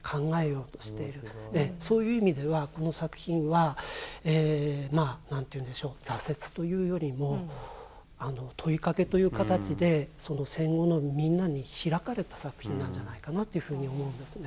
そういう意味ではこの作品はまあ何ていうんでしょう挫折というよりも問いかけという形で戦後のみんなに開かれた作品なんじゃないかなというふうに思うんですね。